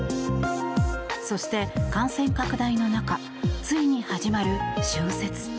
そして感染拡大の中ついに始まる春節。